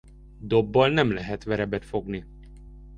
Dobbal nem lehet verebet fogni.